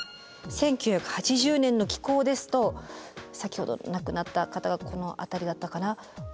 １９８０年の気候ですと先ほど亡くなった方がこの辺りだったかな。